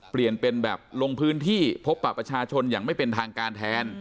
เปลี่ยนเป็นแบบลงพื้นที่พบปะประชาชนอย่างไม่เป็นทางการแทน